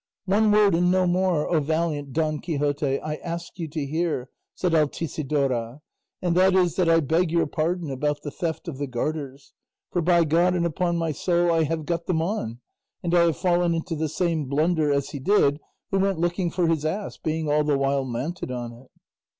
"One word and no more, O valiant Don Quixote, I ask you to hear," said Altisidora, "and that is that I beg your pardon about the theft of the garters; for by God and upon my soul I have got them on, and I have fallen into the same blunder as he did who went looking for his ass being all the while mounted on it."